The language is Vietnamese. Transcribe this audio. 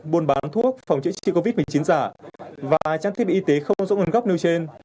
buôn bán thuốc phòng chữa trị covid một mươi chín giả và trang thiết bị y tế không rõ nguồn gốc nêu trên